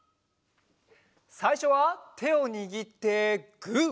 さいしょはてをにぎってグー。